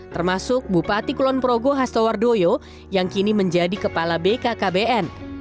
termasuk bupati kulon progo hasto wardoyo yang kini menjadi kepala bkkbn